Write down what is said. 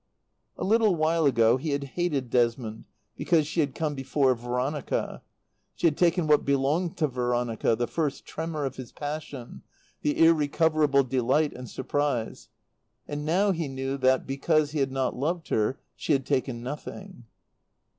A little while ago he had hated Desmond because she had come before Veronica; she had taken what belonged to Veronica, the first tremor of his passion, the irrecoverable delight and surprise. And now he knew that, because he had not loved her, she had taken nothing.